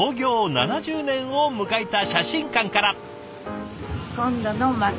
７０年を迎えた写真館から。